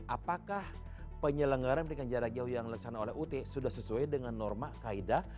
apakah penyelenggaran pendidikan jarak jauh yang dilaksanakan oleh ut sudah sesuai dengan norma kaida